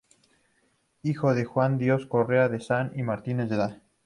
Hijo de D. Juan de Dios Correa de Saa y Martínez y de Da.